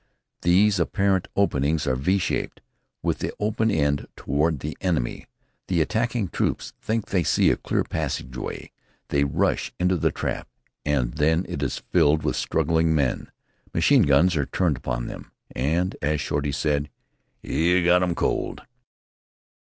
These apparent openings are V shaped, with the open end toward the enemy. The attacking troops think they see a clear passageway. They rush into the trap, and when it is filled with struggling men, machine guns are turned upon them, and, as Shorty said, "You got 'em cold."